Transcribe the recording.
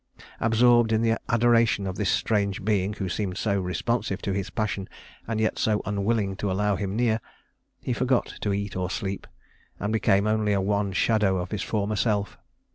Absorbed in the adoration of this strange being who seemed so responsive to his passion and yet so unwilling to allow him near, he forgot to eat or sleep, and became only a wan shadow of his former self.